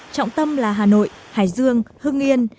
trọng tâm là hà nội hải dương hưng yên